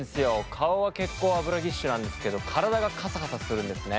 顔は結構脂ギッシュなんですけど体がカサカサするんですね。